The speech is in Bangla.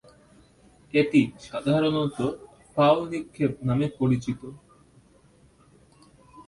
এটি সাধারণত "ফাউল নিক্ষেপ" নামে পরিচিত।